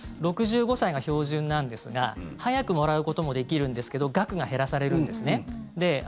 ６５歳が標準なんですが早くもらうこともできるんですが額が減らされるんですね。